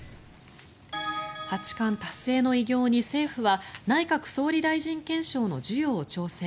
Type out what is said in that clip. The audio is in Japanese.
八冠達成の偉業に政府は内閣総理大臣顕彰の授与を調整。